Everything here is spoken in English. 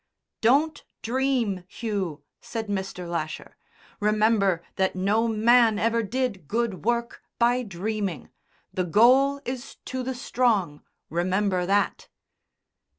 "Don't dream, Hugh," said Mr. Lasher, "remember that no man ever did good work by dreaming. The goal is to the strong. Remember that."